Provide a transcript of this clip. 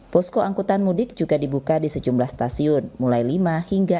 posko angkutan mudik juga dibuka di sejumlah stasiun mulai lima hingga